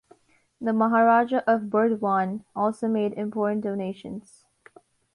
The Maharajah of Burdwan also made important donations.